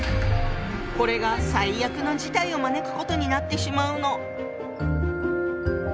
これが最悪の事態を招くことになってしまうの。